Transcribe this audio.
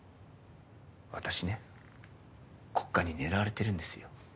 私ね国家に狙われてるんですよ。